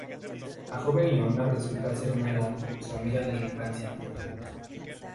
La joven leona resulta ser Nala, su amiga de la infancia.